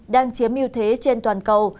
đang chiếm yêu thế trên toàn cầu